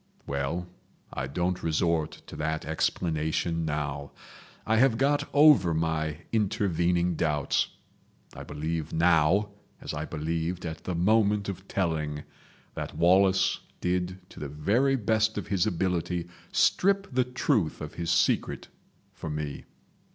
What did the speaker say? Well, I don't resort to that explanation now. I have got over my intervening doubts. I believe now, as I believed at the moment of telling, that Wallace did to the very best of his ability strip the truth of his secret for me.